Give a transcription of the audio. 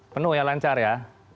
penuh ya lancar ya